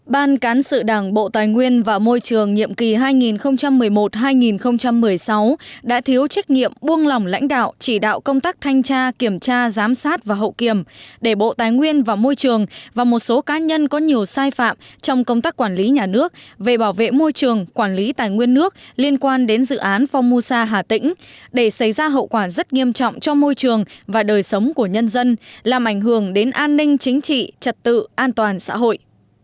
ban cán sự đảng bộ tài nguyên và môi trường nhiệm kỳ hai nghìn một mươi một hai nghìn một mươi sáu đã thiếu trách nhiệm buông lỏng lãnh đạo chỉ đạo công tác thanh tra kiểm tra giám sát và hậu kiểm để bộ tài nguyên và môi trường và một số cá nhân có nhiều sai phạm trong công tác quản lý nhà nước về bảo vệ môi trường quản lý tài nguyên nước liên quan đến dự án phong musa hà tĩnh để xảy ra hậu quả rất nghiêm trọng cho môi trường và đời sống của nhân dân làm ảnh hưởng đến an ninh chính trị trật tự an toàn xã hội